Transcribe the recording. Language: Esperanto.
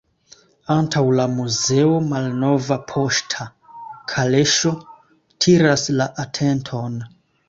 Antaŭ la muzeo malnova poŝta kaleŝo tiras la atenton.